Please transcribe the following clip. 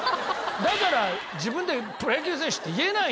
だから自分でプロ野球選手って言えないよ。